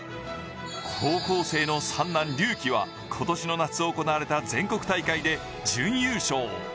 高校生の三男・龍希は今年の夏行われた全国大会で準優勝。